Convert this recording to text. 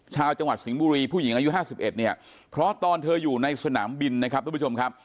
ชาวจังหวัดสิงห์บุรีผู้หญิงอายุ๕๑เนี่ยเพราะตอนเธออยู่ในสนามบินนะครับทุกผู้ชมครับ